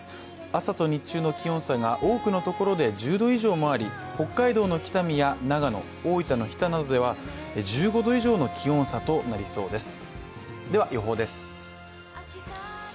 朝と日中の気温差が多くのところで１０度以上もあり、北海道の北見や長野、大分の日田などでは１５度以上の気温差となりそうです。